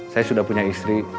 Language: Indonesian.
saya sudah punya istri